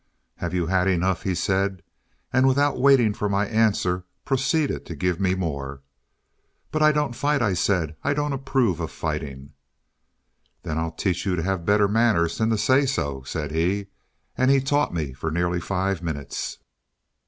"Have you had enough?" he said, and, without waiting for my answer, proceeded to give me more. "But I don't fight," I said; "I don't approve of fighting." "Then I'll teach you to have better manners than to say so," said he, and he taught me for nearly five minutes.